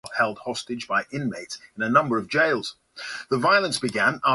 There is a large Polish American community in Curtis Bay.